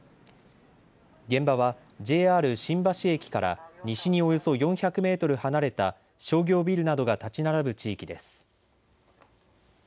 現場はＪＲ新橋駅から西におよそ４００メートル離れた商業ビルなどが建ち並ぶ地域です。